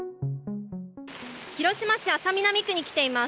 広島市安佐南区に来ています。